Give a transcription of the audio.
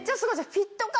フィット感